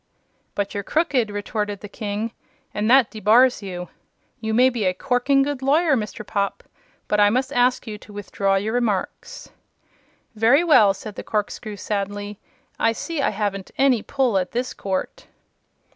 "But you're crooked," retorted the King, "and that debars you. You may be a corking good lawyer, Mr. Popp, but I must ask you to withdraw your remarks." "Very well," said the corkscrew, sadly; "I see I haven't any pull at this court."